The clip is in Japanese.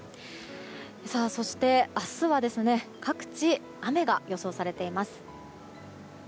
そして、明日は各地、雨が予想されています。